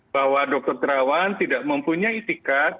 bahwa dr tirawan tidak mempunyai itikat